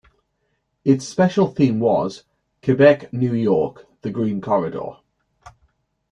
Its special theme was: "Quebec-New York: The Green Corridor".